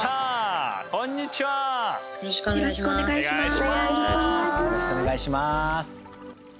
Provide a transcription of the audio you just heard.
よろしくお願いします！